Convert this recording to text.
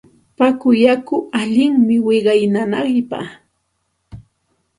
Papa yaku allinmi wiqaw nanaypaq.